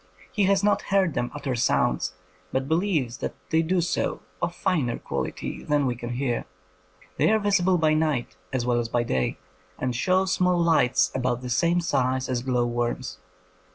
He has not heard them utter sounds, but believes that they do so, of finer quality than we can hear. They are visible by night as well as by day, and show small lights about the same size as glow wonns.